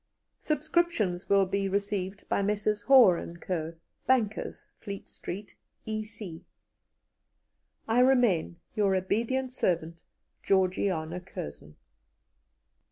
"Subscriptions will be received by Messrs. Hoare and Co., bankers, Fleet Street, E.C. "I remain, "Your obedient servant, "GEORGIANA CURZON."